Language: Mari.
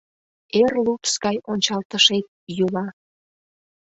Эр лупс гай ончалтышет йӱла.